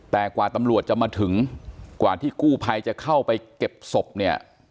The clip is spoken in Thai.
แต่กว่าตำรวจจะมาถึงกว่าที่กู้ภัยจะเข้าไปเก็บศพเนี่ย